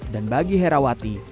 dan bagi herawati